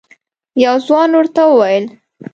یو ځوان ورته وویل: